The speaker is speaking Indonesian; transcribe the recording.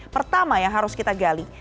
pertama yang harus kita gali